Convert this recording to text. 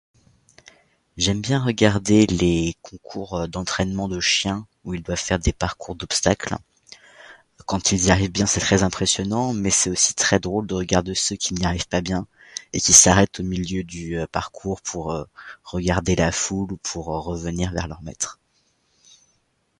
J’aime bien regarder les concours d’entrainement de chiens où ils doivent faire des parcours d’obstacles. Quand ils y arrivent bien c’est très impressionnant mais c’est aussi très drôle de regarder ceux qui n’y arrivent pas bien et qui s’arrêtent au milieu du parcours pour regarder la foule ou pour revenir vers leur maitre.